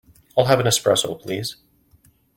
I'll have an Espresso, please.